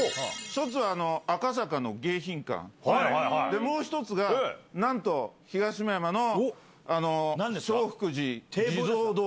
一つは赤坂の迎賓館、もう一つが、なんと、東村山の正福寺地蔵堂。